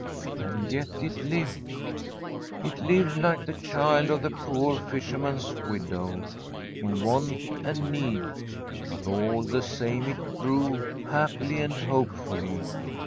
And > ct it Iired — it lired Hkc the child of the poor fisherman's widow, in want and need ; but all the same it grew, happfly and hope fully.